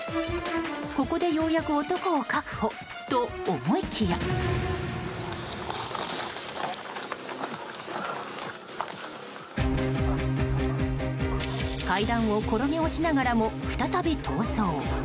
ここでようやく男を確保と思いきや階段を転げ落ちながらも再び逃走。